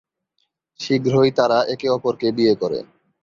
শীঘ্রই তারা একে অপরকে বিয়ে করে।